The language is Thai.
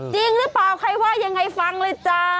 จริงหรือเปล่าใครว่ายังไงฟังเลยจ้า